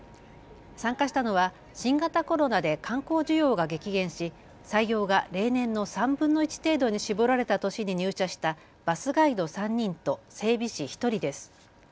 参加したのは新型コロナで観光需要が激減し採用が例年の３分の１程度に絞られた年に入社したバスガイド３人と整備士１人です。